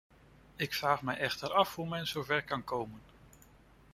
Ik vraag mij echter af hoe men zover kan komen.